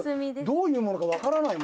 どういうものかわからない。